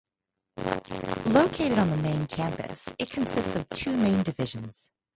Located on the main campus, it consists of two main divisions.